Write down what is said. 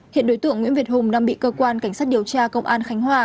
hiện đối tượng nguyễn việt hùng đang bị cơ quan cảnh sát điều tra công an khánh hòa